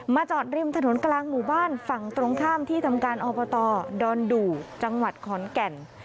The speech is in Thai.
จอดริมถนนกลางหมู่บ้านฝั่งตรงข้ามที่ทำการอบตดอนดูจังหวัดขอนแก่น